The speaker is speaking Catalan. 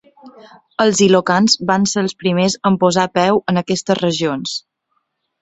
Els ilocans van ser els primers en posar peu en aquestes regions.